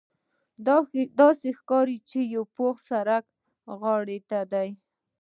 داسې ښکاري چې د پاخه سړک غاړې ته.